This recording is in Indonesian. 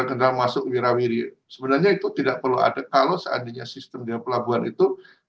kendaraan masuk wira wiri sebenarnya itu tidak perlu ada kalau seandainya sistem di pelabuhan itu